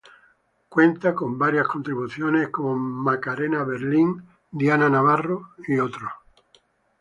Cuenta con varias contribuciones como Macarena Berlín, Diana Navarro y más.